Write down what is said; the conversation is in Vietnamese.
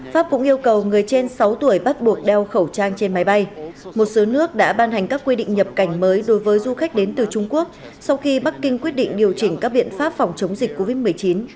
pháp cũng yêu cầu người trên sáu tuổi bắt buộc đeo khẩu trang trên máy bay một số nước đã ban hành các quy định nhập cảnh mới đối với du khách đến từ trung quốc sau khi bắc kinh quyết định điều chỉnh các biện pháp phòng chống dịch covid một mươi chín